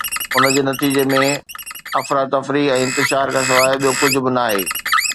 ان جي نتيجي ۾ افراتفري ۽ انتشار کانسواءِ ٻيو ڪجهه به ناهي